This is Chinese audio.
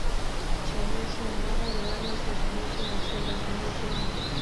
泉州市人民代表大会是泉州市的最高权力机关。